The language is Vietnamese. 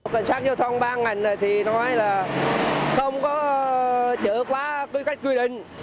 cảnh sát giao thông ba ngành này thì nói là không có chữa quá quyết cách quy định